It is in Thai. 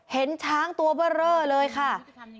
เห็นช้างตัวเบอร์เรอเลยค่ะ